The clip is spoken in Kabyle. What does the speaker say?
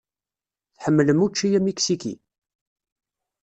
Tḥemmlem učči amiksiki?